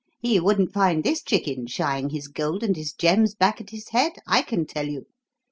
He wouldn't find this chicken shying his gold and his gems back at his head, I can tell you.